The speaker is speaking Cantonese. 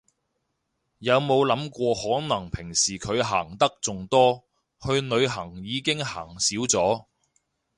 有冇諗過可能平時佢行得仲多，去旅行已經行少咗